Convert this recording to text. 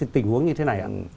tình huống như thế này ạ